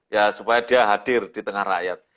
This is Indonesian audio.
ya supaya dia hadir di tengah rakyat